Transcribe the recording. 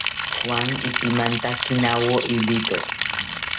Juan ipimantakinawo ibito